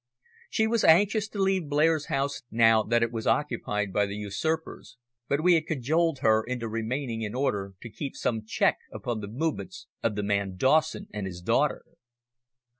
She was anxious to leave Blair's house now that it was occupied by the usurpers, but we had cajoled her into remaining in order to keep some check upon the movements of the man Dawson and his daughter.